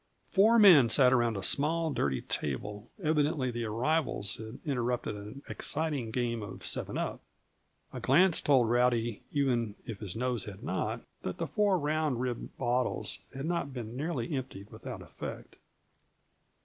Four men sat around a small, dirty table; evidently the arrivals had interrupted an exciting game of seven up. A glance told Rowdy, even if his nose had not, that the four round, ribbed bottles had not been nearly emptied without effect.